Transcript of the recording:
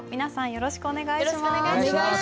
よろしくお願いします。